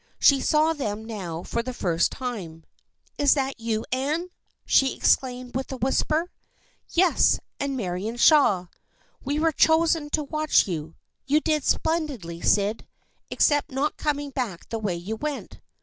She saw them now for the first time. " Is it you, Anne ?" she exclaimed in a whisper. " Yes, and Marion Shaw. We were chosen to watch you. You did splendidly, Syd, except not coming back the way you went."